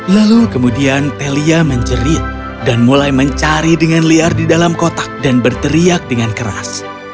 lalu kemudian telia menjerit dan mulai mencari dengan liar di dalam kotak dan berteriak dengan keras